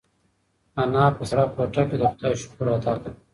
انا په سړه کوټه کې د خدای شکر ادا کړ.